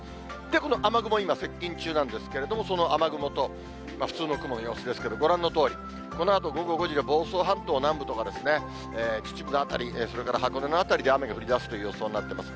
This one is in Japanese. この雨雲、今接近中なんですけれども、その雨雲と、普通の雲の様子ですけれども、ご覧のとおり、このあと午後５時で房総半島南部とか秩父の辺り、それから箱根の辺りで雨が降りだすという予想になってます。